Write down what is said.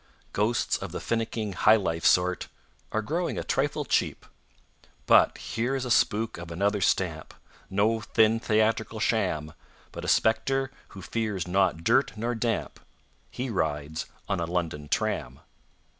Ghosts of the finicking, "high life" sort Are growing a trifle cheap. But here is a spook of another stamp, No thin, theatrical sham, But a spectre who fears not dirt nor damp: He rides on a London tram.